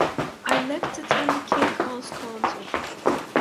I left it on the cake-house counter.